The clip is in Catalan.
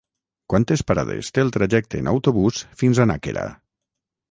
Quantes parades té el trajecte en autobús fins a Nàquera?